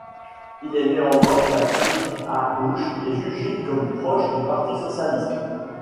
Il est néanmoins classé à gauche et jugé comme proche du Parti socialiste.